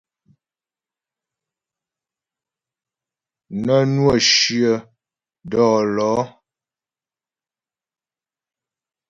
Nə́ nwə́ shyə dɔ́lɔ̌.